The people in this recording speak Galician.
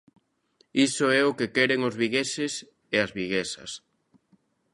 Iso é o que queren os vigueses e as viguesas.